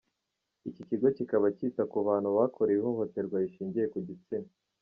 Iki kigo kikaba cyita ku bantu bakorewe ihohoterwa rishingiye ku gitsina.